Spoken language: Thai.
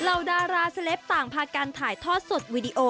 ดาราเซลปต่างพากันถ่ายทอดสดวีดีโอ